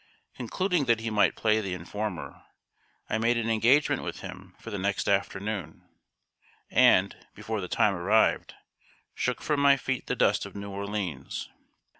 Concluding that he might play the informer, I made an engagement with him for the next afternoon, and, before the time arrived, shook from my feet the dust of New Orleans.